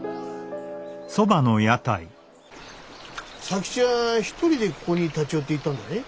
佐吉は一人でここに立ち寄っていたんだね？